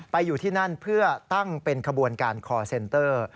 อยู่ที่นั่นเพื่อตั้งเป็นขบวนการคอร์เซนเตอร์